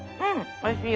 おいしいよ。